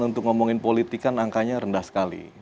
untuk ngomongin politik kan angkanya rendah sekali